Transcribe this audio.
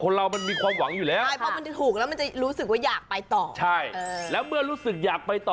ใช่ไหมงวดที่แล้วผมก็ถูกแบบปลุ๊กมาหนึ่งใบ